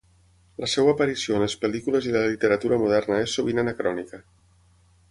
La seva aparició en les pel·lícules i la literatura moderna és sovint anacrònica.